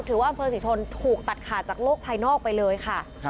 อำเภอศรีชนถูกตัดขาดจากโลกภายนอกไปเลยค่ะ